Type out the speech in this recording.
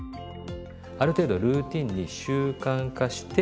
ある程度ルーティンに習慣化して。